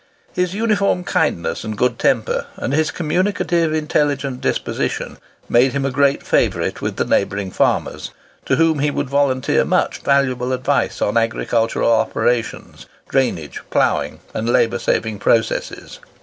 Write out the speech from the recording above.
His uniform kindness and good temper, and his communicative, intelligent disposition, made him a great favourite with the neighbouring farmers, to whom he would volunteer much valuable advice on agricultural operations, drainage, ploughing, and labour saving processes.